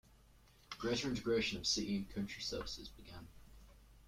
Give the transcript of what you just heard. Greater integration of city and country services began.